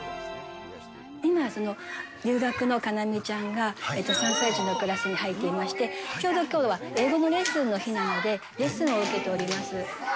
今、留学のかなみちゃんが３歳児のクラスに入っていまして、ちょうどきょうは英語のレッスンの日なので、レッスンを受けております。